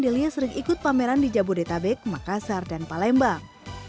dirinya sering ikut pameran di jabodetabek makassar dan palembang